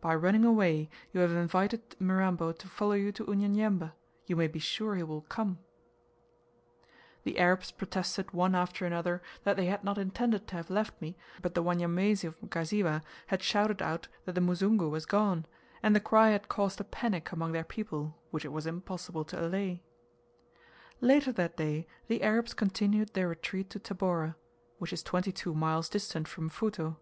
By running away, you have invited Mirambo to follow you to Unyanyembe; you may be sure he will come." __________________* The same war is still raging, April, 1874. __________________ The Arabs protested one after another that they had not intended to have left me, but the Wanyamwezi of Mkasiwa had shouted out that the "Musungu" was gone, and the cry had caused a panic among their people, which it was impossible to allay. Later that day the Arabs continued their retreat to Tabora; which is twenty two miles distant from Mfuto.